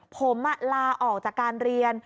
ผมลาออกจากการเรียน